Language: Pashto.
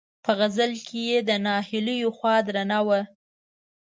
په غزل کې یې د ناهیلیو خوا درنه وه.